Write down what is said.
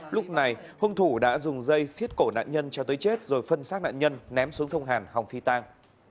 lúc này hung thủ đã dùng dây xiết cổ nạn nhân cho tới chết rồi phân xác nạn nhân ném xuống sông hàn hòng phi tang